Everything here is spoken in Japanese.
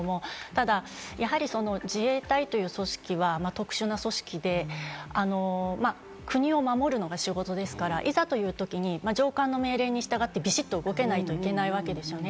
ただやはり自衛隊という組織は特殊な組織で、国を守るのが仕事ですから、いざというときに上官の命令に従ってビシッと動けないといけないわけですよね。